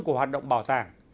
của hoạt động bảo tàng